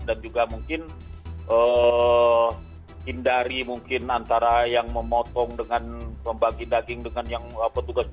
dan juga mungkin hindari mungkin antara yang memotong dengan membagi daging dengan yang petugas